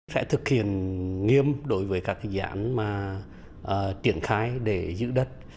sẽ thực hiện nghiêm đối với các dự án mà triển khai để giữ đất